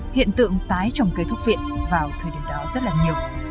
hiện tượng tái trồng cây thúc viện vào thời điểm đó rất là nhiều